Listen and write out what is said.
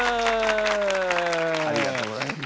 ありがとうございます。